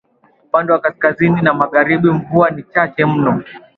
Upande wa kaskazini na magharibi mvua ni chache mno